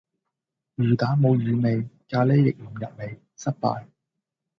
魚蛋冇魚味，咖喱亦唔入味，失敗